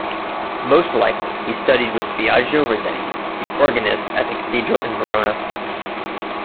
Most likely he studied with Biagio Rossetti, the organist at the cathedral in Verona.